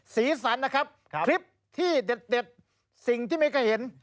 สีสันนะครับคลิปที่เด็ดสิ่งที่ไม่เคยเห็น